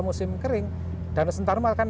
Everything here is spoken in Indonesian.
musim kering danau sentarum akan